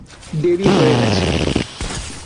দেরী হয়ে গেছে।